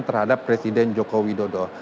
terhadap presiden joko widodo